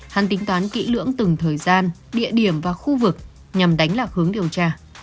hắn tính toán kỹ lưỡng từng thời gian địa điểm và khu vực nhằm đánh lạc hướng điều tra